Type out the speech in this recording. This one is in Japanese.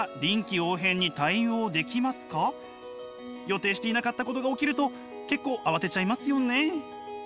予定していなかったことが起きると結構慌てちゃいますよね。